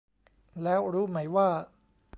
แล้วรู้ไหมว่า